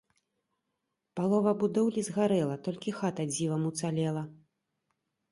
Палова будоўлі згарэла, толькі хата дзівам уцалела.